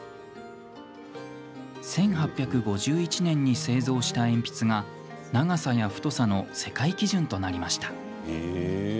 １８５１年に製造した鉛筆が長さや太さの世界基準となりました。